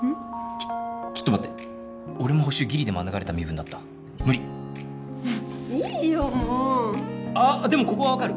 ちょちょっと待って俺も補習ギリで免れた身分だったわ無理いいよもうあっでもここは分かる